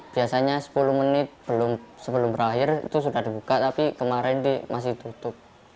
biasanya sepuluh menit sebelum berakhir itu sudah dibuka tapi kemarin masih tutup